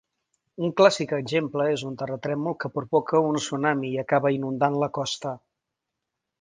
Un clàssic exemple és un terratrèmol que provoca un tsunami i acaba inundant la costa.